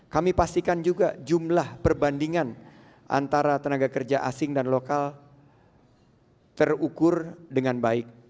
kami pastikan juga jumlah perbandingan antara tenaga kerja asing dan lokal terukur dengan baik